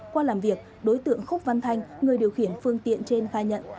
qua làm việc đối tượng khúc văn thanh người điều khiển phương tiện trên khai nhận